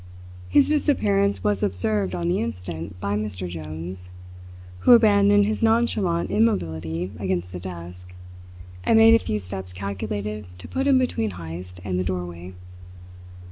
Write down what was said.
His disappearance was observed on the instant by Mr. Jones, who abandoned his nonchalant immobility against the desk, and made a few steps calculated to put him between Heyst and the doorway.